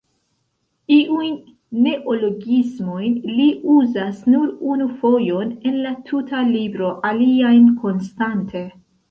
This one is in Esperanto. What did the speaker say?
Iujn neologismojn li uzas nur unu fojon en la tuta libro, aliajn konstante.